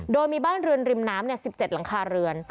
โดยมีบ้านเรือนริมน้ำ๑๗หลังคาเรือน